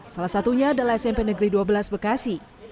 salah satunya adalah smp negeri dua belas bekasi